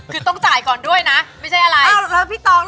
คือต้องจ่ายก่อนด้วยนะไม่ใช่อะไร